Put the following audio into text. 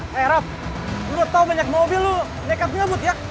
hei raff lo udah tau banyak mobil lo deket deket ya